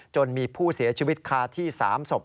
จนมีผู้เสียชีวิตคาที่๓ศพ